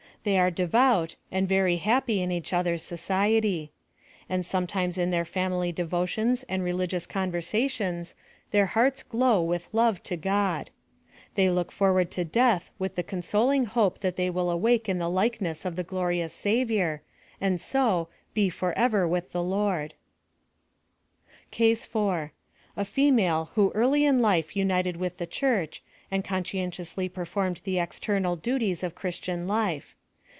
They are devout, and very hap py in each other's society. And sometimes in theii family devotions and religious conversations, their iiearts glow with love to God. They look forward to death with the consoling hope that they will awake in the likeness of the glorious Savior, and so '*bc forever with the Lord ' 35(5 PHILOSOPHY OF THE CASE 4. — A female who early in life united with the church, and conscientiously performed the external duties of Christian life.